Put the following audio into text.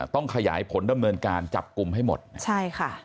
ต้องขยายผลดำเนินการจับกลุ่มให้หมดนะใช่ค่ะ